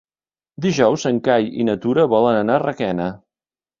Dijous en Cai i na Tura volen anar a Requena.